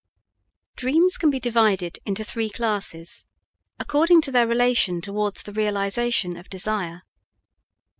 Dreams can be divided into three classes according to their relation towards the realization of desire.